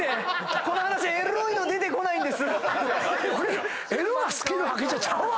この話エロいの出てこないんです。